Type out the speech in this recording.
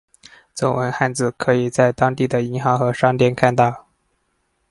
中文汉字可以在当地的银行和商店看到。